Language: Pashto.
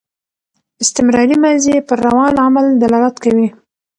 استمراري ماضي پر روان عمل دلالت کوي.